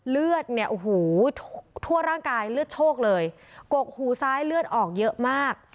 เลือดเนี่ยโอ้โหทั่วร่างกายเลือดโชคเลยกกหูซ้ายเลือดออกเยอะมาก